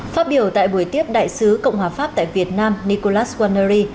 phát biểu tại buổi tiếp đại sứ cộng hòa pháp tại việt nam nicolas guneri